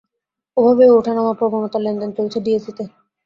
এভাবেই ওঠানামা প্রবণতায় লেনদেন চলছে ডিএসইতে।